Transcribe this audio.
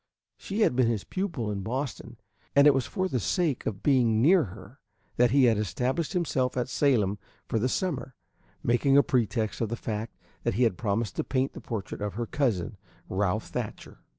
She had been his pupil in Boston, and it was for the sake of being near her that he had established himself at Salem for the summer, making a pretext of the fact that he had promised to paint the portrait of her cousin, Ralph Thatcher.